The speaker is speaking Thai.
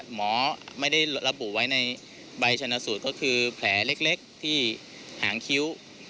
หมอไม่ได้ระบุไว้ในใบชนะสูตรก็คือแผลเล็กที่หางคิ้ว